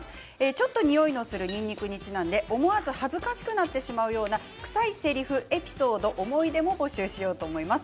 ちょっとにおいのするにんにくにちなんで思わず恥ずかしくなってしまうような、くさいせりふエピソード、思い出も募集しようと思います。